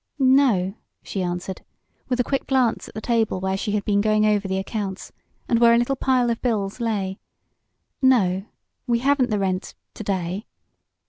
"No," she answered, with a quick glance at the table where she had been going over the accounts, and where a little pile of bills lay. "No, we haven't the rent to day."